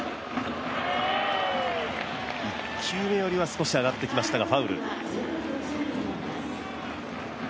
１球目よりは少し上がってきましたが、ファウル。